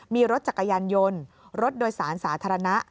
มีรถจักรยานยนต์รถโดยสารสาธารณะ